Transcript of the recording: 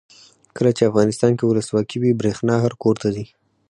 کله چې افغانستان کې ولسواکي وي برښنا هر کور ته ځي.